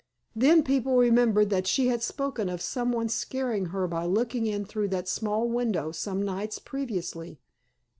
Then people remembered that she had spoken of someone scaring her by looking in through that small window some nights previously.